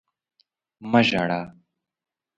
مه ژاړه!